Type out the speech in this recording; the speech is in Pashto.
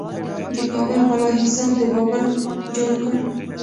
د کابل بالا حصار د بابر جوړ کړ